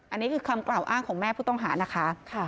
อันนี้คือคำกล่าวอ้างของแม่ผู้ต้องหานะคะ